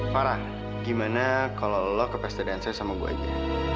farah gimana kalau lo ke pesta dansa sama gue aja